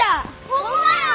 ホンマや！